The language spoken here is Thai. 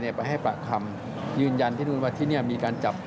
ไปให้ปากคำยืนยันที่นู่นว่าที่นี่มีการจับ